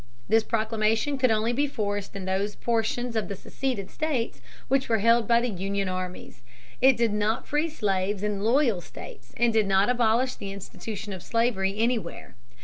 This proclamation could be enforced only in those portions of the seceded states which were held by the Union armies. It did not free slaves in loyal states and did not abolish the institution of slavery anywhere.